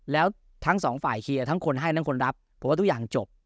แล้วทั้งสองฝ่ายเคลียร์ทั้งคนให้ทั้งคนรับผมว่าทุกอย่างจบ